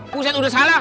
puset udah salah